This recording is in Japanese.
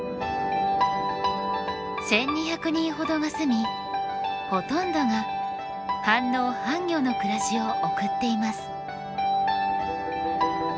１，２００人ほどが住みほとんどが半農半漁の暮らしを送っています。